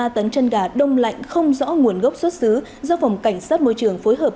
ba tấn chân gà đông lạnh không rõ nguồn gốc xuất xứ do phòng cảnh sát môi trường phối hợp